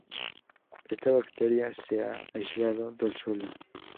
Esta bacteria se ha aislado del suelo.